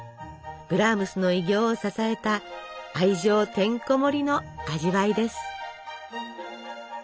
ブラームスの偉業を支えた愛情てんこ盛りの味わいです。